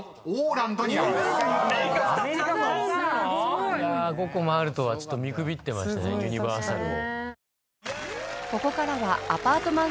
アメリカ２つあんの⁉５個もあるとはちょっと見くびってましたねユニバーサルを。